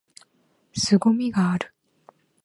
凄みがある！！！！